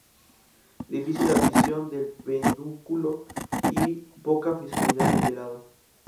Difícil abscisión del pedúnculo y poca facilidad de pelado.